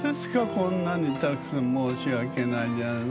こんなにたくさん申し訳ないじゃない。